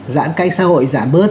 giãn cách xã hội giảm bớt